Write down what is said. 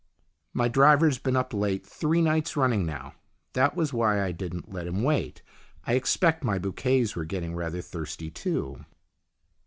" My driver's been up late three nights running now. That was why I didn't let him wait. I expect my bouquets were getting rather thirsty too."